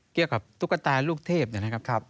เกี่ยวกับตุ๊กตาลูกเทพนะครับ